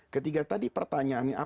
ketika tadi pertanyaannya apa